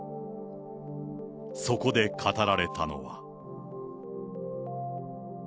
そこで語られたのは。